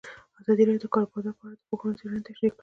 ازادي راډیو د د کار بازار په اړه د پوهانو څېړنې تشریح کړې.